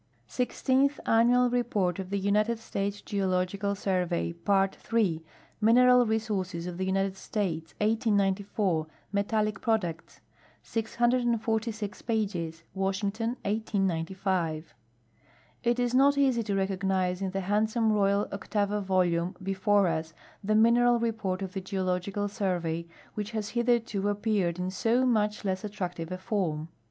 Sixteenth Annual Report of the United States Geological Survey. Part III : ^lineral Resources of the United States, 1894, ^Metallic products. Pp. 648. Washington, 1895. It is not easy to recognize in the handsome royal octavo volume before us the mineral report of the Geological Survey, which has hitherto ap peared in so much less attractive a form.